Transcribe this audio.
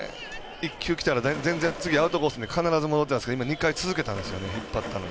１球きたら、全然次、アウトコースに必ず戻ってたんですけど続けたんですよね。